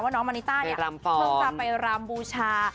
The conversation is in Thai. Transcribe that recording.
น้องมานิต้าเนี่ยเพิ่งจะไปรำบูชา